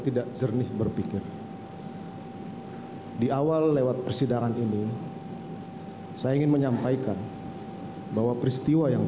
tidak jernih berpikir di awal lewat persidangan ini saya ingin menyampaikan bahwa peristiwa yang